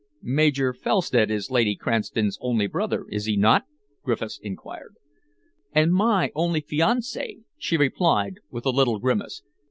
"Major Felstead is Lady Cranston's only brother, is he not?" Griffiths enquired. "And my only fiancé," she replied, with a little grimace.